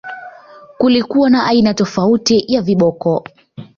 Kulikuwa na aina tofauti ya viboko